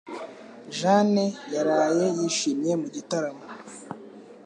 Jane yaraye yishimye mu gitaramo?